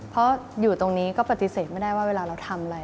เพราะอยู่ตรงนี้ก็ปฏิเสธไม่ได้ว่าเวลาเราทำอะไร